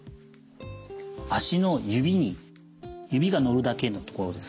足の指に指がのるだけのところですね。